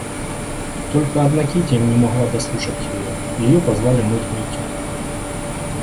Только одна Кити не могла дослушать его, — ее позвали мыть Митю.